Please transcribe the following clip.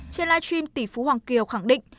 trên live stream tỷ phú hoàng kiều khẳng định